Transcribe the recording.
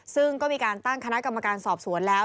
ซึ่งก็มีการตั้งคณะกรรมการสอบสวนแล้ว